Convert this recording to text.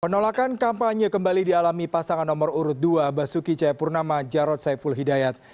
penolakan kampanye kembali dialami pasangan nomor urut dua basuki cayapurnama jarod saiful hidayat